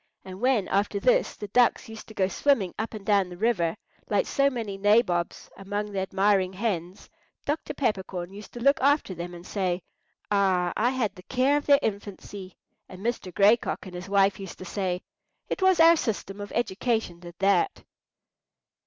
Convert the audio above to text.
And when after this the ducks used to go swimming up and down the river like so many nabobs among the admiring hens, Dr. Peppercorn used to look after them and say, "Ah, I had the care of their infancy!" and Mr. Gray Cock and his wife used to say, "It was our system of education did that!"